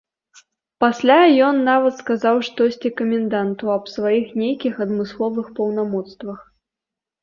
Пасля ён нават сказаў штосьці каменданту аб сваіх нейкіх адмысловых паўнамоцтвах.